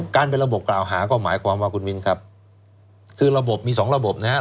การเป็นระบบกล่าวหาก็หมายความว่าคุณมินครับคือระบบมีสองระบบนะครับ